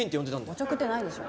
おちょくってないでしょ。